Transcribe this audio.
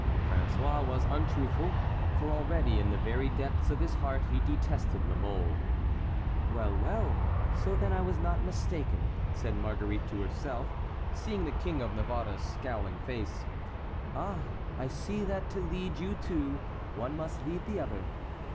François was untruthful, for already in the very depths of his heart he detested La Mole. "Well, well! So then I was not mistaken," said Marguerite to herself, seeing the King of Navarre's scowling face. "Ah, I see that to lead you two, one must lead the other."